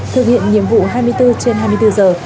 thực hiện nhiệm vụ hai mươi bốn trên hai mươi bốn giờ